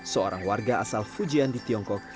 seorang warga asal fujian di tiongkok